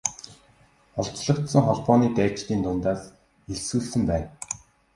Олзлогдсон холбооны дайчдын дундаас элсүүлсэн байна.